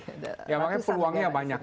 ya makanya peluangnya banyak